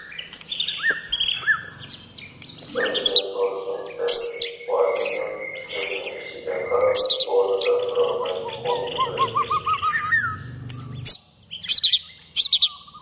ئۆزىدىن سورىسۇن دەپ، مۇئەللىمنىڭ كۆزىنىڭ ئىچىگە قاراپ، ئورنىدا تۇرالماي قول كۆتۈرەتتى.